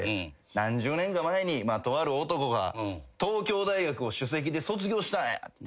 「何十年か前にとある男が東京大学を首席で卒業したんや」って。